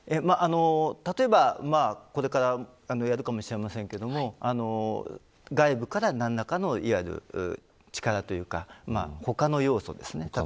例えばこれからやるかもしれませんが外部から何らかの力など、他の要素です。